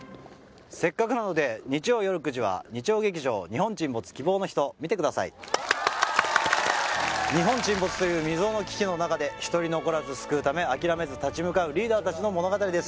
せっかくなので日曜よる９時は日曜劇場「日本沈没−希望のひと−」見てください日本沈没という未曽有の危機の中で一人残らず救うため諦めず立ち向かうリーダーたちの物語です